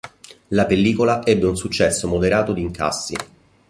La pellicola ebbe un successo moderato di incassi.